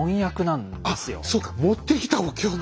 そうか持ってきたお経の。